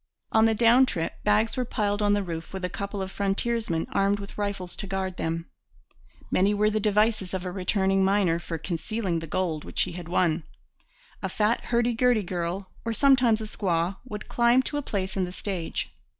On the down trip bags were piled on the roof with a couple of frontiersmen armed with rifles to guard them. Many were the devices of a returning miner for concealing the gold which he had won. A fat hurdy gurdy girl or sometimes a squaw would climb to a place in the stage.